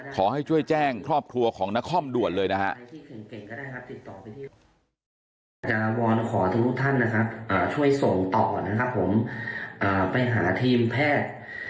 ขอให้ช่วยแจ้งครอบครัวของนครด่วนเลยนะฮะ